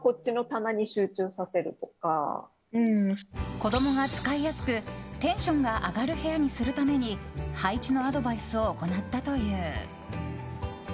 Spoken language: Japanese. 子供が使いやすくテンションが上がる部屋にするために配置のアドバイスを行ったという。